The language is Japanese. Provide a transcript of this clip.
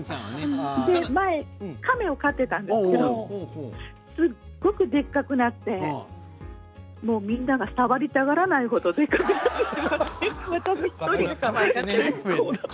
前、亀を飼っていたんですけどすごく、でかくなってみんなが触りたがらない程でかくなって。